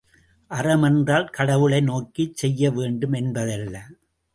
அறம் என்றால் கடவுளை நோக்கிச் செய்ய வேண்டும் என்பதல்ல.